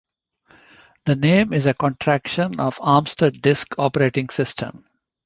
The name is a contraction of Amstrad Disc Operating System.